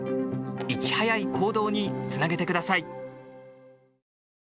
いち早い行動につなげてください。